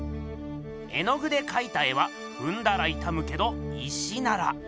絵の具でかいた絵はふんだらいたむけど石なら。